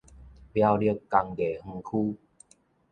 苗栗工藝園區